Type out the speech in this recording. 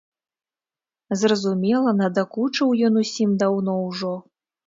Зразумела, надакучыў ён усім даўно ўжо.